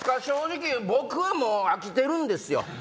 正直僕はもう飽きてるんですよ。